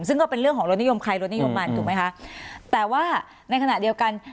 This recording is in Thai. ซึ่งก็เป็นเรื่องของรสนิยมใครรถนิยมมันถูกไหมคะแต่ว่าในขณะเดียวกัน